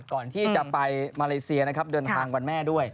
ก่อนที่จะไปมาเลเซียนะครับเดินทางวันแม่ด้วย